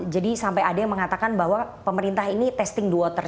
jadi sampai ada yang mengatakan bahwa pemerintah ini testing the water